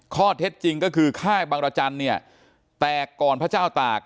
ข้อเท็จจริงก็คือค่ายบังรจันทร์เนี่ยแตกก่อนพระเจ้าตาก